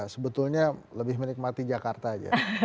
sebetulnya lebih menikmati jakarta aja